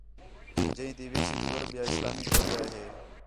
جئیں تی وِچ گُر ٻِیا اِسلامی ٹوٹے آ ہے